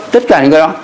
tất cả những cái đó